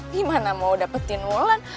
gimana mau dapetin ulan